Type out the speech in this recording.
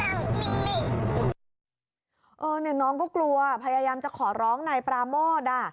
เออเนี่ยน้องก็กลัวอ่ะพยายามจะขอร้องนายปราโมดอ่ะ